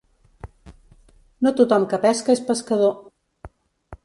No tothom que pesca és pescador.